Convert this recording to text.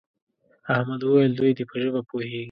احمد وویل دوی دې په ژبه پوهېږي.